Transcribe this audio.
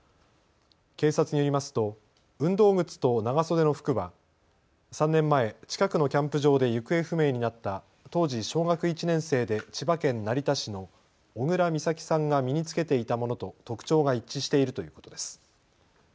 警察によりますと運動靴と長袖の服は３年前、近くのキャンプ場で行方不明になった当時、小学１年生で千葉県成田市の小倉美咲さんが身に着けていたものと特徴が一致しているということです。